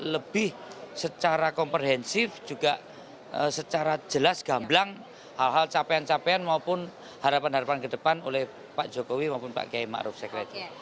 lebih secara komprehensif juga secara jelas gamblang hal hal capaian capaian maupun harapan harapan ke depan oleh pak jokowi maupun pak kiai ma'ruf sekretari